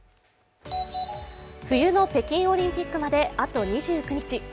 冬の北京オリンピックまであと２９日。